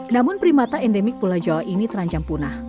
namun primata endemik pulau jawa ini terancam punah